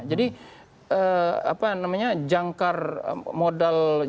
jadi apa namanya jangkar modal jaringan sosial yang dimiliki oleh kedua partai